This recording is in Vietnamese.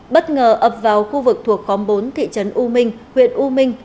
bất ngờ ập vào khu vực thuộc khóm bốn thị trấn u minh huyện u minh